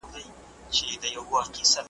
رښتيا به يوه ورځ خامخا ښکاره کيږي.